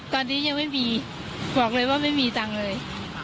ตอนนี้ยังไม่มีบอกเลยว่าไม่มีตังค์เลย